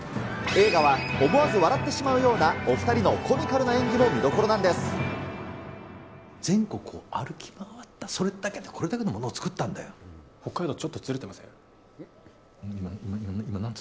映画は思わず笑ってしまうようなお２人のコミカルな演技も見どこ全国を歩き回った、それだけ北海道、ちょっとずれてませうん？